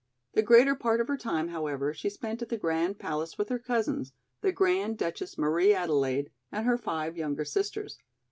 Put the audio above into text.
The greater part of her time, however, she spent at the Grand Palace with her cousins, the Grand Duchess Marie Adelaide and her five younger sisters.